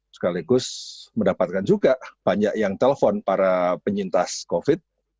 sekaligus mendapatkan juga banyak yang telpon para penyintas covid